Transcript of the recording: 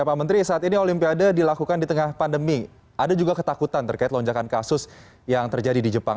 pak menteri saat ini olimpiade dilakukan di tengah pandemi ada juga ketakutan terkait lonjakan kasus yang terjadi di jepang